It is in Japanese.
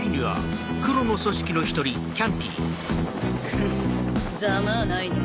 ・フッざまあないね。